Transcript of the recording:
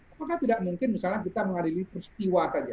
apakah tidak mungkin misalnya kita mengadili peristiwa saja